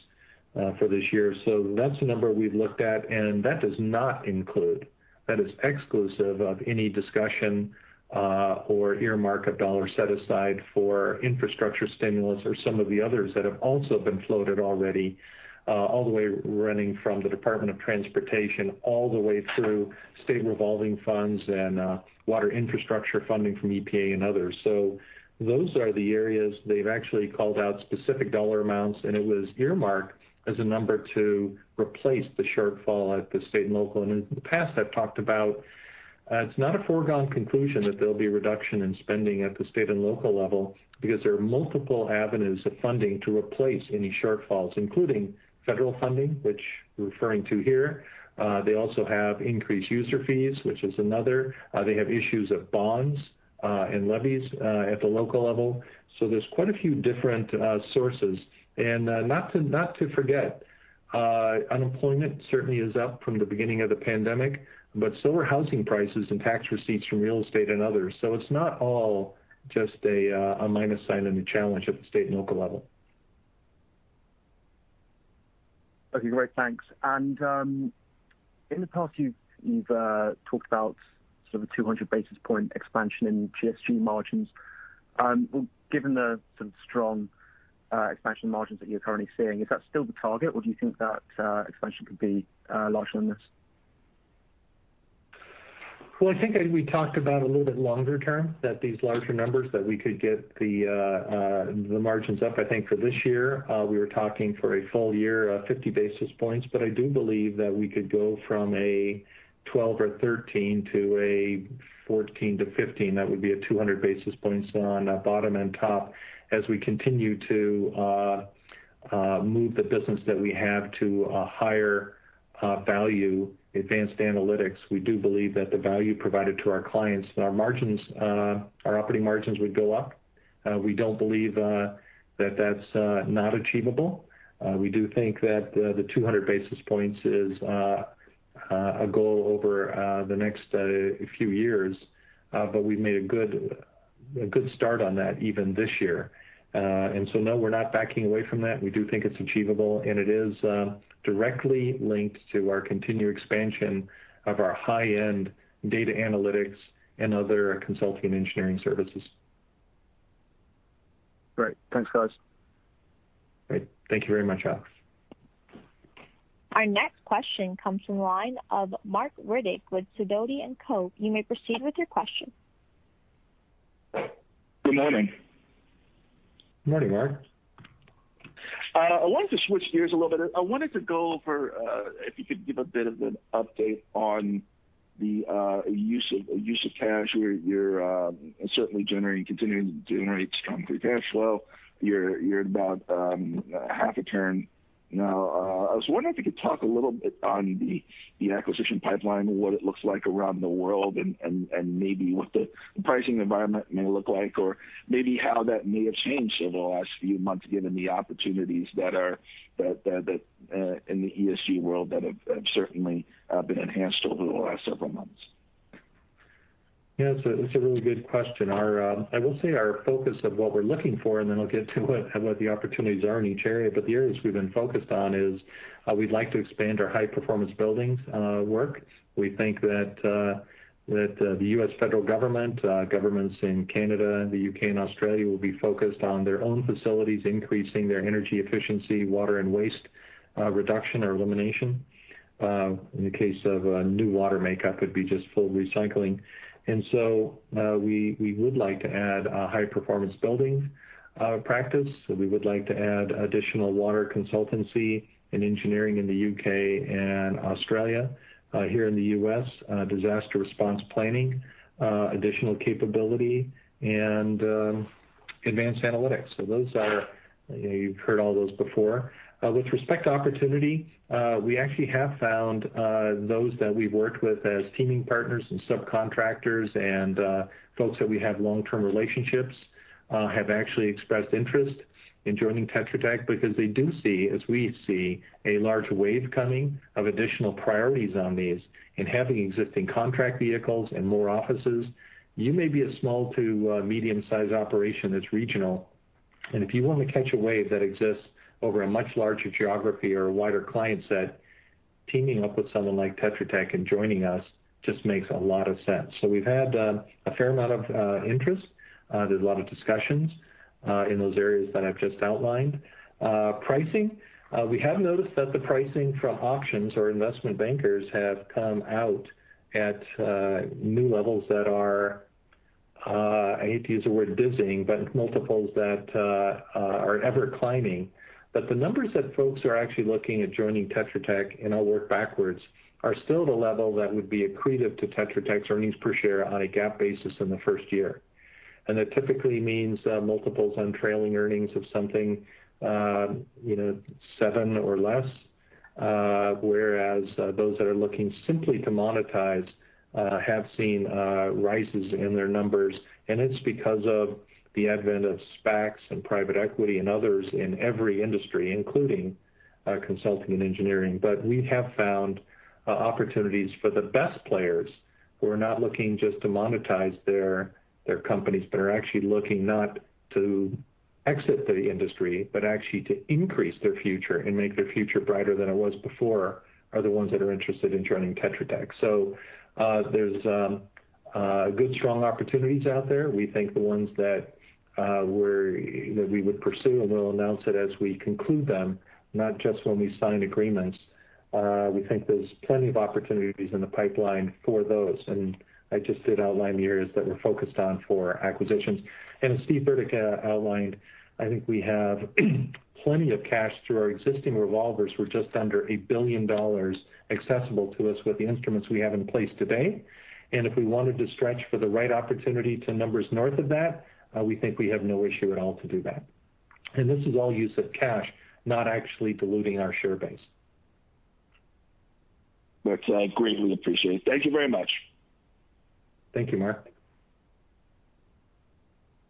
for this year. That's a number we've looked at, and that does not include, that is exclusive of any discussion or earmark of dollars set aside for infrastructure stimulus or some of the others that have also been floated already, all the way running from the Department of Transportation, all the way through state revolving funds and water infrastructure funding from EPA and others. Those are the areas they've actually called out specific dollar amounts, and it was earmarked as a number to replace the shortfall at the state and local. In the past, I've talked about, it's not a foregone conclusion that there'll be a reduction in spending at the state and local level because there are multiple avenues of funding to replace any shortfalls, including federal funding, which we're referring to here. They also have increased user fees, which is another. They have issues of bonds and levies at the local level. There's quite a few different sources. Not to forget, unemployment certainly is up from the beginning of the pandemic, but so are housing prices and tax receipts from real estate and others. It's not all just a minus sign and a challenge at the state and local level. Okay, great. Thanks. In the past, you've talked about sort of a 200 basis point expansion in GSG margins. Given the strong expansion margins that you're currently seeing, is that still the target, or do you think that expansion could be larger than this? Well, I think we talked about a little bit longer term, that these larger numbers, that we could get the margins up, I think, for this year. We were talking for a full year, 50 basis points. I do believe that we could go from a 12 or 13 to a 14-15. That would be a 200 basis points on bottom and top. As we continue to move the business that we have to a higher value, advanced analytics. We do believe that the value provided to our clients and our operating margins would go up. We don't believe that that's not achievable. We do think that the 200 basis points is a goal over the next few years, but we've made a good start on that even this year. No, we're not backing away from that. We do think it's achievable, and it is directly linked to our continued expansion of our high-end data analytics and other consulting engineering services. Great. Thanks, guys. Great. Thank you very much, Alex. Our next question comes from the line of Marc Riddick with Sidoti & Co. You may proceed with your question. Good morning. Morning, Marc. I wanted to switch gears a little bit. I wanted to go over, if you could give a bit of an update on the use of cash. You're certainly continuing to generate strong free cash flow. You're about half a turn now. I was wondering if you could talk a little bit on the acquisition pipeline and what it looks like around the world and maybe what the pricing environment may look like, or maybe how that may have changed over the last few months, given the opportunities in the ESG world that have certainly been enhanced over the last several months. Yeah, it's a really good question. I will say our focus of what we're looking for, then I'll get to what the opportunities are in each area. The areas we've been focused on is, we'd like to expand our high-performance buildings work. We think that the U.S. federal government, governments in Canada, and the U.K., and Australia will be focused on their own facilities, increasing their energy efficiency, water and waste reduction or elimination. In the case of new water makeup, it'd be just full recycling. We would like to add a high-performance building practice. We would like to add additional water consultancy and engineering in the U.K. and Australia. Here in the U.S., disaster response planning, additional capability, and advanced analytics. Those are You've heard all those before. With respect to opportunity, we actually have found those that we've worked with as teaming partners and subcontractors and folks that we have long-term relationships, have actually expressed interest in joining Tetra Tech because they do see, as we see, a large wave coming of additional priorities on these and having existing contract vehicles and more offices. If you want to catch a wave that exists over a much larger geography or a wider client set, teaming up with someone like Tetra Tech and joining us just makes a lot of sense. We've had a fair amount of interest. There's a lot of discussions in those areas that I've just outlined. Pricing, we have noticed that the pricing from auctions or investment bankers have come out at new levels that are, I hate to use the word dizzying, but multiples that are ever climbing. The numbers that folks are actually looking at joining Tetra Tech, and I'll work backwards, are still at a level that would be accretive to Tetra Tech's earnings per share on a GAAP basis in the first year. That typically means multiples on trailing earnings of something, seven or less. Whereas, those that are looking simply to monetize, have seen rises in their numbers. It's because of the advent of SPACs and private equity and others in every industry, including consulting and engineering. We have found opportunities for the best players who are not looking just to monetize their companies, but are actually looking not to exit the industry, but actually to increase their future and make their future brighter than it was before, are the ones that are interested in joining Tetra Tech. There's good, strong opportunities out there. We think the ones that we would pursue, and we'll announce it as we conclude them, not just when we sign agreements. We think there's plenty of opportunities in the pipeline for those. I just did outline the areas that we're focused on for acquisitions. As Steve Burdick outlined, I think we have plenty of cash through our existing revolvers. We're just under $1 billion accessible to us with the instruments we have in place today. If we wanted to stretch for the right opportunity to numbers north of that, we think we have no issue at all to do that. This is all use of cash, not actually diluting our share base. That's greatly appreciated. Thank you very much. Thank you, Marc.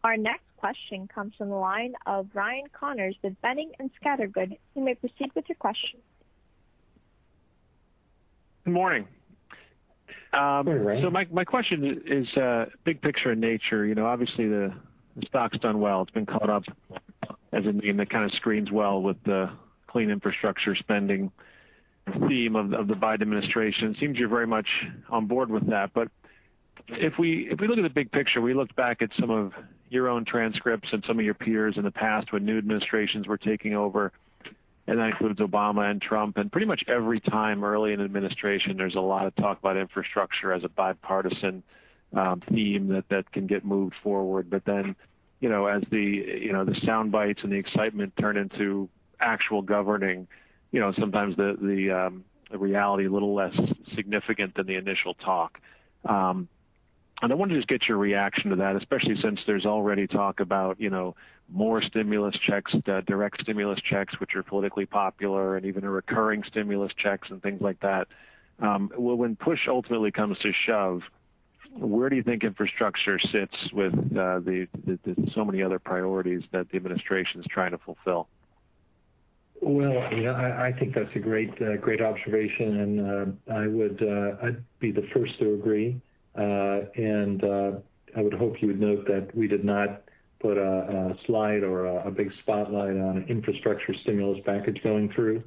Our next question comes from the line of Ryan Connors with Boenning & Scattergood. Good morning. Good morning. My question is big picture in nature. Obviously, the stock's done well. It's been caught up as a name that kind of screens well with the clean infrastructure spending theme of the Biden administration. Seems you're very much on board with that. If we look at the big picture, we looked back at some of your own transcripts and some of your peers in the past when new administrations were taking over, and that includes Obama and Trump, and pretty much every time early in an administration, there's a lot of talk about infrastructure as a bipartisan theme that can get moved forward. Then, as the soundbites and the excitement turn into actual governing, sometimes the reality a little less significant than the initial talk. I wanted to just get your reaction to that, especially since there's already talk about more stimulus checks, direct stimulus checks, which are politically popular, and even a recurring stimulus checks and things like that. When push ultimately comes to shove, where do you think infrastructure sits with so many other priorities that the administration's trying to fulfill? Well, I think that's a great observation. I'd be the first to agree. I would hope you would note that we did not put a slide or a big spotlight on an infrastructure stimulus package going through.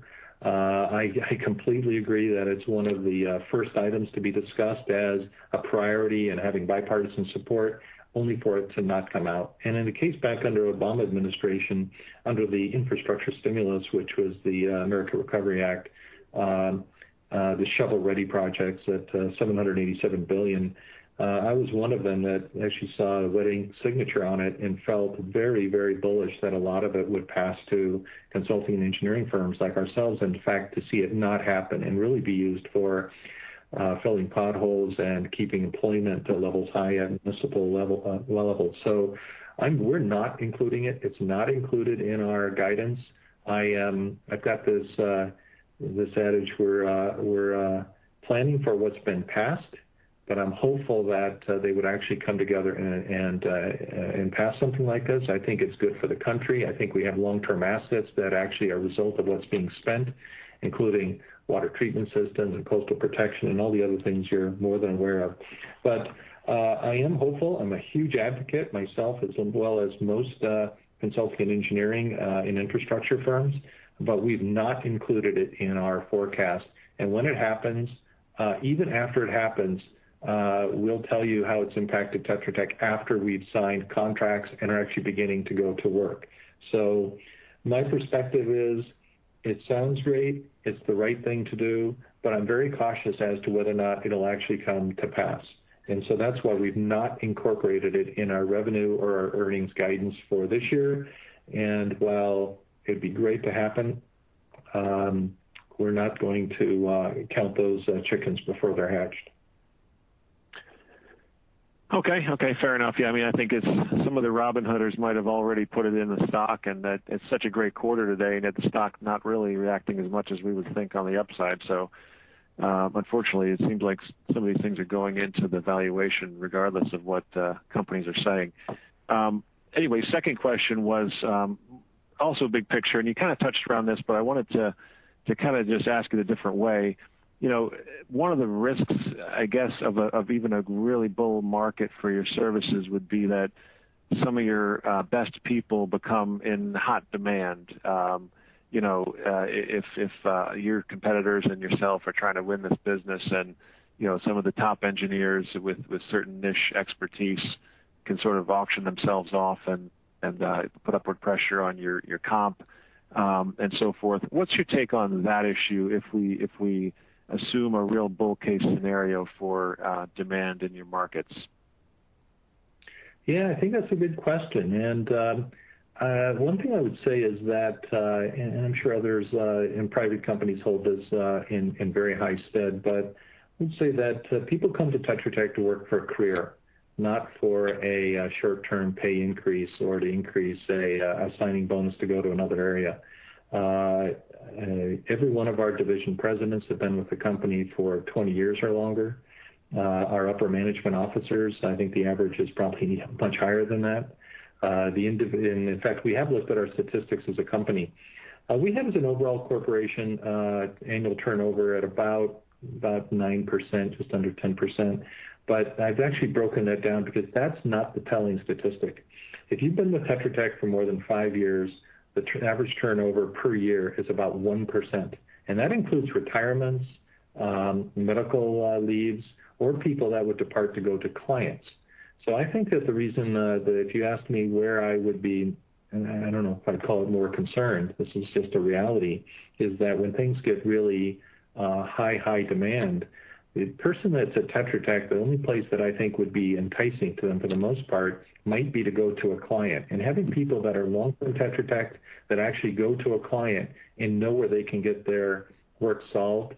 I completely agree that it's one of the first items to be discussed as a priority and having bipartisan support, only for it to not come out. In the case back under Obama Administration, under the infrastructure stimulus, which was the American Recovery Act, the shovel-ready projects at $787 billion, I was one of them that actually saw a wet signature on it and felt very bullish that a lot of it would pass to consulting and engineering firms like ourselves. In fact, to see it not happen and really be used for filling potholes and keeping employment levels high at municipal levels. We're not including it. It's not included in our guidance. I've got this adage, we're planning for what's been passed, but I'm hopeful that they would actually come together and pass something like this. I think it's good for the country. I think we have long-term assets that actually are a result of what's being spent, including water treatment systems and coastal protection and all the other things you're more than aware of. I am hopeful. I'm a huge advocate myself, as well as most consulting and engineering and infrastructure firms, we've not included it in our forecast. When it happens, even after it happens, we'll tell you how it's impacted Tetra Tech after we've signed contracts and are actually beginning to go to work. My perspective is, it sounds great, it's the right thing to do, but I'm very cautious as to whether or not it'll actually come to pass. That's why we've not incorporated it in our revenue or our earnings guidance for this year, and while it'd be great to happen, we're not going to count those chickens before they're hatched. Okay. Fair enough. Yeah, I think some of the Robinhood investors might have already put it in the stock, and that it's such a great quarter today and that the stock's not really reacting as much as we would think on the upside. Unfortunately, it seems like some of these things are going into the valuation regardless of what companies are saying. Anyway, second question was also big picture, and you kind of touched around this, but I wanted to kind of just ask it a different way. One of the risks, I guess, of even a really bull market for your services would be that some of your best people become in hot demand. If your competitors and yourself are trying to win this business and some of the top engineers with certain niche expertise can sort of auction themselves off and put upward pressure on your comp, and so forth. What's your take on that issue if we assume a real bull case scenario for demand in your markets? I think that's a good question. One thing I would say is that, I'm sure others in private companies hold this in very high stead. I would say that people come to Tetra Tech to work for a career. Not for a short-term pay increase or to increase a signing bonus to go to another area. Every one of our division presidents have been with the company for 20 years or longer. Our upper management officers, I think the average is probably much higher than that. In fact, we have looked at our statistics as a company. We have, as an overall corporation, annual turnover at about 9%, just under 10%. I've actually broken that down because that's not the telling statistic. If you've been with Tetra Tech for more than five years, the average turnover per year is about 1%, and that includes retirements, medical leaves, or people that would depart to go to clients. I think that the reason that if you asked me where I would be, and I don't know if I'd call it more concerned, this is just a reality, is that when things get really high, high demand, the person that's at Tetra Tech, the only place that I think would be enticing to them, for the most part, might be to go to a client. Having people that are long from Tetra Tech that actually go to a client and know where they can get their work solved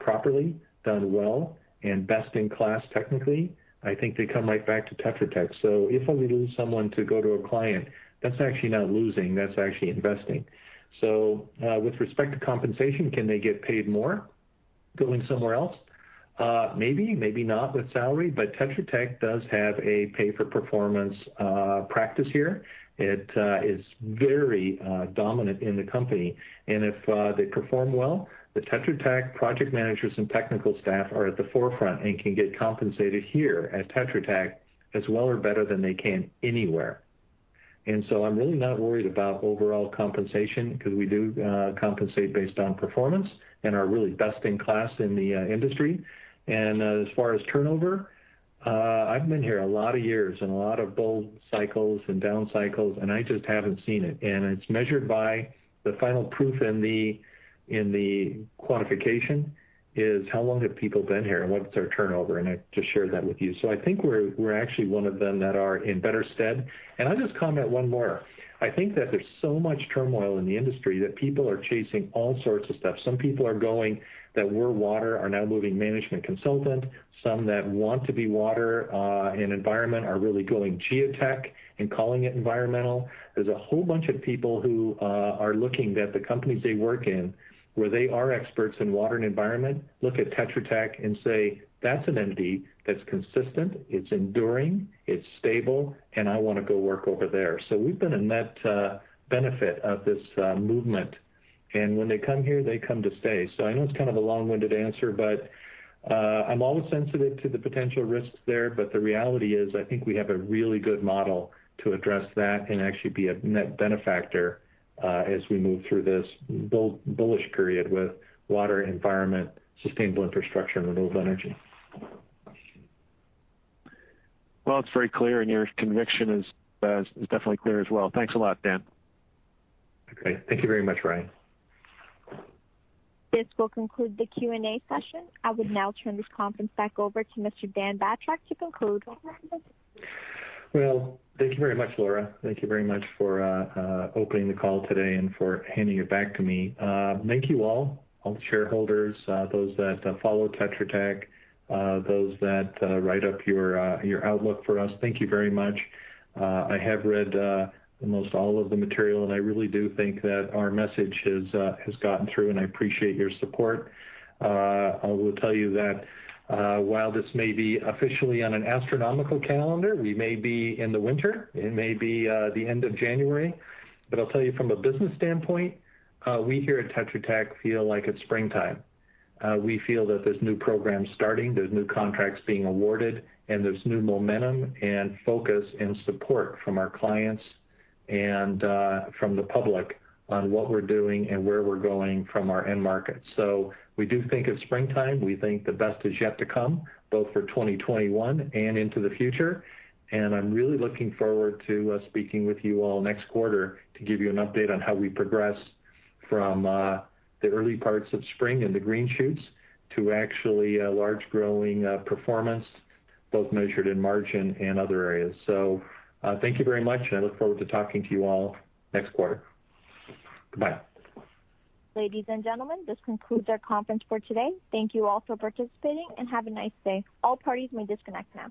properly, done well, and best in class technically, I think they come right back to Tetra Tech. If I lose someone to go to a client, that's actually not losing, that's actually investing. With respect to compensation, can they get paid more going somewhere else? Maybe, maybe not with salary, but Tetra Tech does have a pay for performance practice here. It is very dominant in the company. If they perform well, the Tetra Tech project managers and technical staff are at the forefront and can get compensated here at Tetra Tech as well or better than they can anywhere. I'm really not worried about overall compensation because we do compensate based on performance and are really best in class in the industry. As far as turnover, I've been here a lot of years and a lot of bull cycles and down cycles, and I just haven't seen it. It's measured by the final proof in the quantification is how long have people been here and what's our turnover? I just shared that with you. I think we're actually one of them that are in better stead. I'll just comment one more. I think that there's so much turmoil in the industry that people are chasing all sorts of stuff. Some people are going that were water are now moving management consultant. Some that want to be water and environment are really going geotech and calling it environmental. There's a whole bunch of people who are looking that the companies they work in, where they are experts in water and environment, look at Tetra Tech and say, "That's an entity that's consistent, it's enduring, it's stable, and I want to go work over there." We've been a net benefit of this movement. When they come here, they come to stay. I know it's kind of a long-winded answer, but I'm always sensitive to the potential risks there. The reality is, I think we have a really good model to address that and actually be a net benefactor, as we move through this bullish period with water, environment, sustainable infrastructure, and renewable energy. Well, it's very clear, and your conviction is definitely clear as well. Thanks a lot, Dan. Okay. Thank you very much, Ryan. This will conclude the Q&A session. I would now turn this conference back over to Mr. Dan Batrack to conclude. Well, thank you very much, Laura. Thank you very much for opening the call today and for handing it back to me. Thank you all the shareholders, those that follow Tetra Tech, those that write up your outlook for us. Thank you very much. I have read almost all of the material, and I really do think that our message has gotten through, and I appreciate your support. I will tell you that while this may be officially on an astronomical calendar, we may be in the winter, it may be the end of January. I'll tell you from a business standpoint, we here at Tetra Tech feel like it's springtime. We feel that there's new programs starting, there's new contracts being awarded, and there's new momentum and focus and support from our clients and from the public on what we're doing and where we're going from our end market. We do think it's springtime. We think the best is yet to come, both for 2021 and into the future. I'm really looking forward to speaking with you all next quarter to give you an update on how we progress from the early parts of spring and the green shoots to actually a large growing performance, both measured in margin and other areas. Thank you very much, and I look forward to talking to you all next quarter. Goodbye. Ladies and gentlemen, this concludes our conference for today. Thank you all for participating, and have a nice day. All parties may disconnect now.